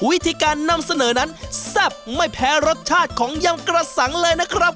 วิธีการนำเสนอนั้นแซ่บไม่แพ้รสชาติของยำกระสังเลยนะครับ